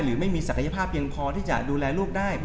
หรือไม่มีศักยภาพเพียงพอที่จะดูแลลูกได้